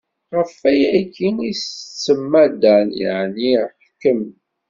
Ɣef wayagi i s-tsemma Dan, yeɛni iḥkem.